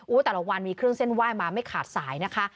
แต่ละวันมีเครื่องเส้นไหว้มาไม่ขาดสายนะคะ